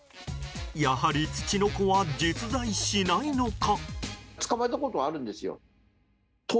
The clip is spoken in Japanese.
やはりツチノコは実在しないのか？